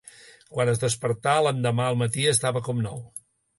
Quan es despertà, l'endemà al matí estava com nou.